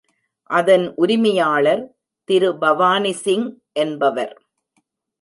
அதன் உரிமையாளர், திரு பவானிசிங் என்பவர்.